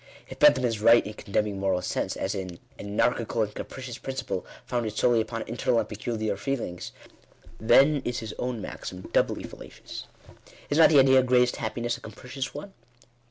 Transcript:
If Bentham is right in condemning Moral Sense, as an "anarchical and capricious principle, founded solely upon internal and peculiar feelings," then is his own maxim doubly fallacious. Is not the idea, " greatest happiness," a capricious one